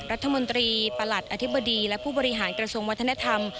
รัฐมนตรีประหลัดอธิบดีและผู้บริหารกระทรวงวัฒนธรรม